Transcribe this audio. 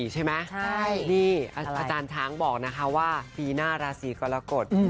ใช่ไหมนี่อาจารย์ช้างบอกนะคะว่าปีหน้าราศีกรกฎ